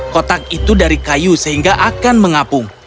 kotak itu dari kayu sehingga akan mengapung